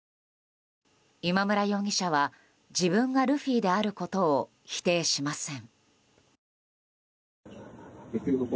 今村容疑者は自分がルフィであることを否定しません。